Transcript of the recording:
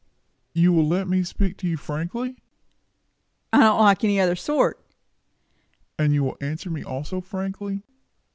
"You will let me speak to you frankly?" "Don't like any other sort." "And you will answer me also frankly?"